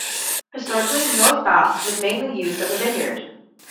Historically, North Bass was mainly used as a vineyard.